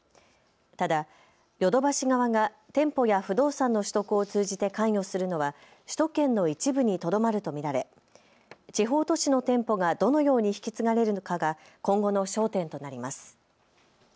ただヨドバシ側が店舗や不動産の取得を通じて関与するのは首都圏の一部にとどまると見られ地方都市の店舗がどのように引き継がれるのかが今後の焦点となります。